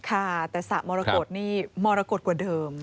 ค่ะแต่สระมรกฏนี่มรกฏกว่าเดิม